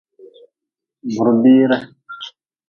Burbiire.